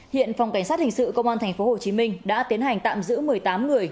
hiện phòng cảnh sát hình sự công an tp hcm đã tiến hành tạm giữ một mươi tám người